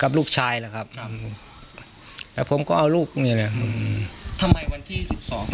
กับลูกชายล่ะครับครับแล้วผมก็เอาลูกอืมอืมทำไมวันที่สิบสอง